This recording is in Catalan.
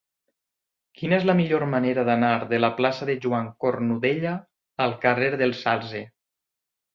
Quina és la millor manera d'anar de la plaça de Joan Cornudella al carrer del Salze?